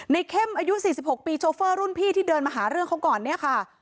เข้มอายุ๔๖ปีโชเฟอร์รุ่นพี่ที่เดินมาหาเรื่องเขาก่อนเนี่ยค่ะ